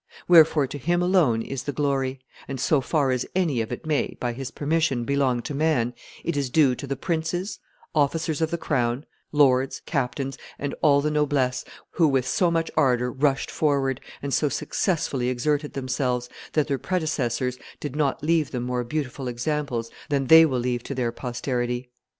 Wherefore to Him alone is the glory; and so far as any of it may, by His permission, belong to man, it is due to the princes, officers of the crown, lords, captains, and all the noblesse, who with so much ardor rushed forward, and so successfully exerted themselves, that their predecessors did not leave them more beautiful examples than they will leave to their posterity.